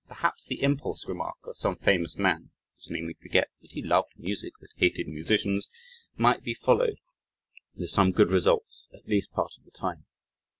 Perhaps the impulse remark of some famous man (whose name we forget) that he "loved music but hated musicians," might be followed (with some good results) at least part of the time.